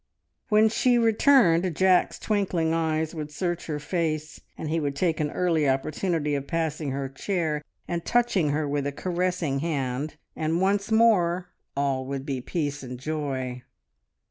When she returned Jack's twinkling eyes would search her face, and he would take an early opportunity of passing her chair and touching her with a caressing hand, and once more all would be peace and joy.